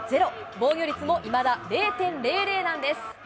防御率も今だ０．００なんです。